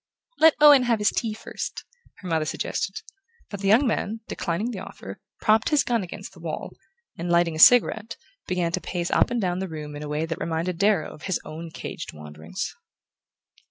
"Let Owen have his tea first," her mother suggested; but the young man, declining the offer, propped his gun against the wall, and, lighting a cigarette, began to pace up and down the room in a way that reminded Darrow of his own caged wanderings.